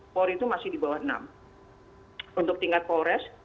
polri itu masih di bawah enam untuk tingkat polres